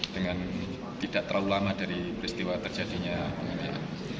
dengan tidak terlalu lama dari peristiwa terjadinya penganiayaan